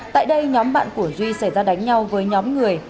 tại đây nhóm bạn của duy xảy ra đánh nhau với nhóm người